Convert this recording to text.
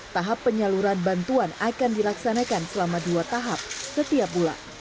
tahap penyaluran bantuan akan dilaksanakan selama dua tahap setiap bulan